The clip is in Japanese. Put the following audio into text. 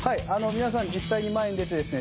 皆さん実際に前に出てですね